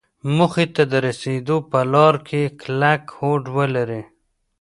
موخې ته د رسېدو په لاره کې کلک هوډ ولري.